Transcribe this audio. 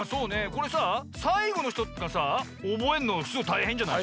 これささいごのひとがさおぼえるのすごいたいへんじゃない？